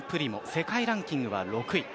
世界ランキングは６位。